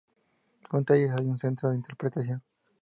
Junto a ellas hay un centro de interpretación.